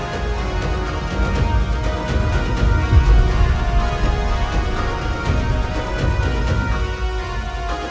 aku mau mencoba